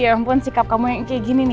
ya ampun sikap kamu yang kayak gini nih